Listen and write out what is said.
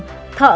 thợ kỹ thuật cao